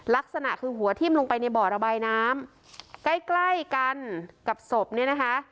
ลักษณะคือหัวทิ้มลงไปในบ่อระบายน้ำใกล้ใกล้กันกับศพเนี่ยนะคะ